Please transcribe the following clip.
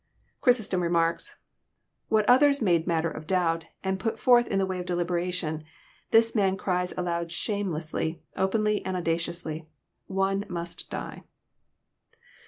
Chrysostom remarks, '* What others made matter of doubt, and put forth in the way of deliberation, this man cried aloud shamelessly, openly, and audaciously. One must die.